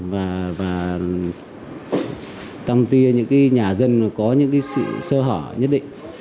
và tăm tia những nhà dân có những sự sơ hở nhất định